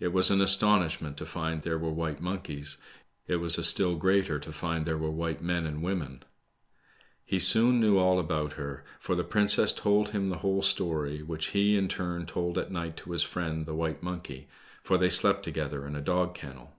It was an astonishment to find there were white monkeys. It was a still greater to find there were white men and women. He soon knew all about her, /or the princess told him the whole story, which he, in turn, *told at ni^t to his friend, the white monkey, for they slept to gether in a dog kennel.